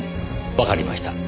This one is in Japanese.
わかりました。